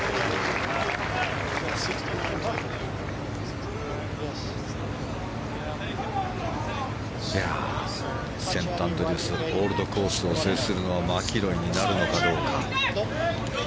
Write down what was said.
セントアンドリュース・オールドコースを制するのはマキロイになるのかどうか。